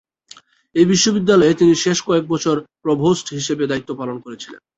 এই বিশ্ববিদ্যালয়ে তিনি শেষ কয়েক বছর প্রভোস্ট হিসেবে দায়িত্ব পালন করেছিলেন।